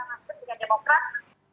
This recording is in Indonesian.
nasdem dengan demokrat